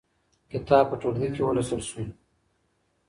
کتاب په ټولګي کې ولوستل شو.